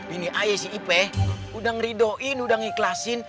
ini ayo si ipe udah ngeridoin udah ngikhlasin